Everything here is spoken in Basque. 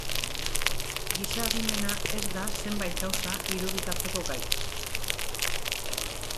Giza adimena ez da zenbait gauza irudikatzeko gai.